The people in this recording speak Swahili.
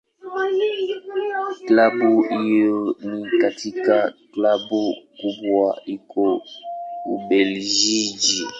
Klabu hiyo ni katika Klabu kubwa huko Ubelgiji.